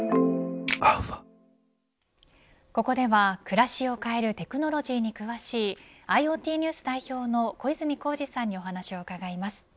ここでは暮らしを変えるテクノロジーに詳しいＩｏＴＮＥＷＳ代表の小泉耕二さんにお話を伺います。